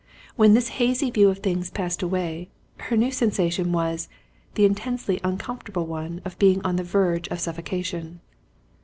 When this hazy view of things passed away, her new sensation was, the intensely uncomfortable one of being on the verge of suffocation.